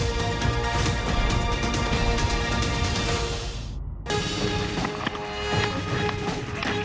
พี่ต้อง